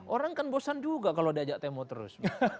orang kan bosan juga kalau diajak temo terus